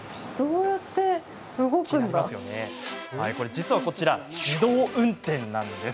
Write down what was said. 実はこちら、自動運転なんです。